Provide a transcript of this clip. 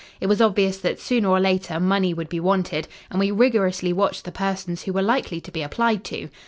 It was obvious that, sooner or later, money would be wanted, and we rigorously watched the persons who were likely to be applied to.